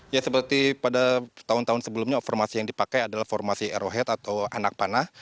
ya seperti pada tahun tahun sebelumnya formasi yang dipakai adalah formasi aerohead atau anak panah